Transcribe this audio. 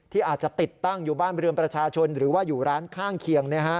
ที่อาจจะติดตั้งอยู่บ้านเรือนประชาชนหรือว่าอยู่ร้านข้างเคียง